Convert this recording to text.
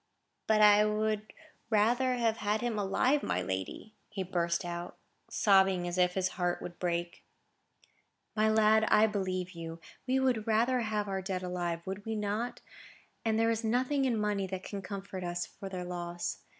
"But I would rather have had him alive, my lady," he burst out, sobbing as if his heart would break. "My lad, I believe you. We would rather have had our dead alive, would we not? and there is nothing in money that can comfort us for their loss.